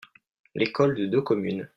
L'école de deux communes.